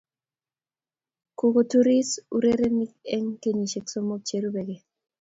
kukutuiris urerenik eng kenyishe somok che rubekei